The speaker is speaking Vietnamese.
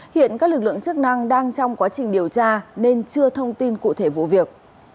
hiện các lực lượng chức năng đang trong quá trình điều tra nên chưa thông tin cụ thể vụ việc